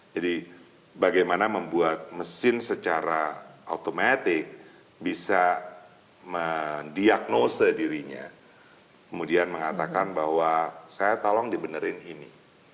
jadi bagaimana membuat mesin secara automatic bisa mendiagnose dirinya kemudian mengatakan bahwa saya tolong dibenerin ini